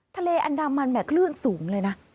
ทะเลอันดามันแห่คลื่นสูงเลยนะ